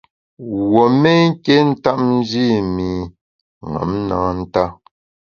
Wuo mé nké ntap nji i mi ṅom na nta.